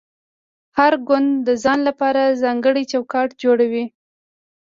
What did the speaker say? هر ګوند د ځان لپاره ځانګړی چوکاټ جوړوي